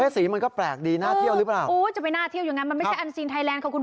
สีมันก็แปลกดีง่าเที่ยวรึเปล่าอ๋อจะไปน่าเที่ยวอย่างงั้น